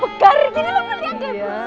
begar gini ibu